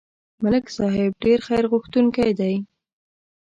ملک صاحب ډېر خیرغوښتونکی دی.